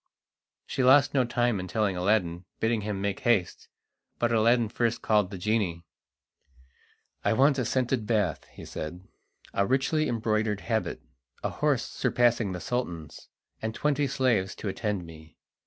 She lost no time in telling Aladdin, bidding him make haste. But Aladdin first called the genie. "I want a scented bath," he said, "a richly embroidered habit, a horse surpassing the Sultan's, and twenty slaves to attend me.